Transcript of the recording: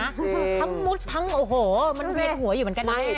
ทั้งมุษฐ์ทั้งโอ้โฮเหะหัวอยู่เหมือนกันแห้ง